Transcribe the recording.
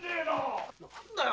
何だよ